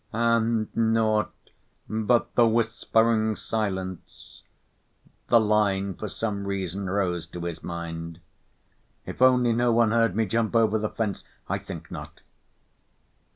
"And naught but the whispering silence," the line for some reason rose to his mind. "If only no one heard me jump over the fence! I think not."